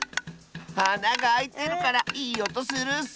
あながあいてるからいいおとするッス！